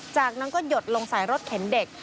จากนั้นก็หยดลงใส่รถเข็นเด็ก